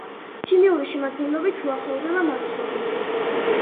ქიმიური შემადგენლობით უახლოვდება მარცვლოვნებს.